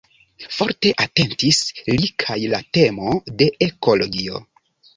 Forte atentis li kaj la temo de ekologio.